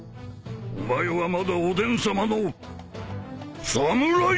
「お前はまだおでんさまの侍か？」と！